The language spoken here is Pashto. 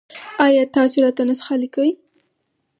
ایا تاسو راته نسخه لیکئ؟